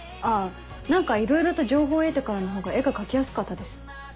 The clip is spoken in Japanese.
何かいろいろと情報を得てからのほうが絵が描きやすかったです。